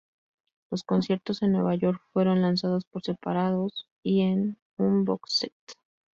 Los conciertos en Nueva York fueron lanzados por separados y en un box set.